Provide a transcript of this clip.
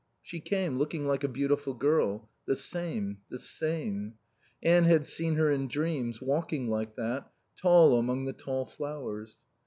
She came, looking like a beautiful girl; the same, the same; Anne had seen her in dreams, walking like that, tall among the tall flowers.